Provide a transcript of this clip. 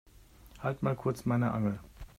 Halt mal kurz meine Angel.